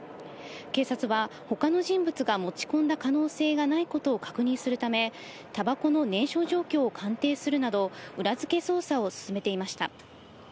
警察は、ほかの人物が持ち込んだ可能性がないことを確認するため、たばこの燃焼状況を鑑定するなど、裏付け捜査を進めていました。